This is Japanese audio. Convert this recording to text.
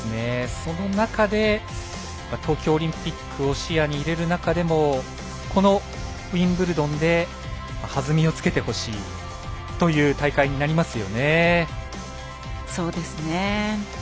その中で東京オリンピックを視野に入れる中でもこのウィンブルドンで弾みをつけてほしいという大会になりますよね。